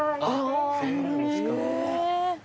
あっそうなんですか。